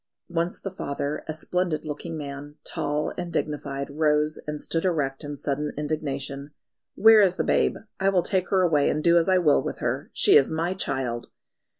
Once the father, a splendid looking man, tall and dignified, rose and stood erect in sudden indignation. "Where is the babe? I will take her away and do as I will with her. She is my child!"